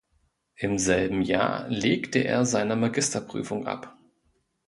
Im selben Jahr legte er seine Magisterprüfung ab.